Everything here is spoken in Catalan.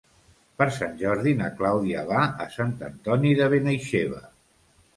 Per Sant Jordi na Clàudia va a Sant Antoni de Benaixeve.